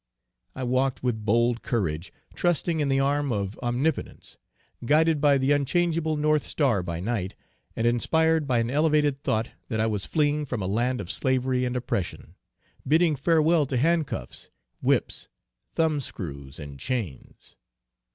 I walked with bold courage, trusting in the arm of Omnipotence; guided by the unchangable North Star by night, and inspired by an elevated thought that I was fleeing from a land of slavery and oppression, bidding farewell to handcuffs, whips, thumb screws and chains.